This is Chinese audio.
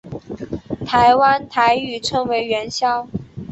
台湾台语称为元宵。